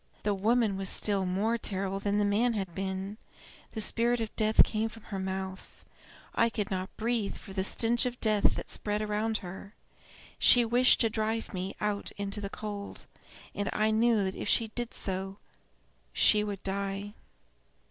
The woman was still more terrible than the man had been; the spirit of death came from her mouth; I could not breathe for the stench of death that spread around her. She wished to drive me out into the cold, and I knew that if she did so she would die.